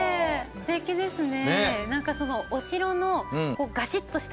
すてきですね。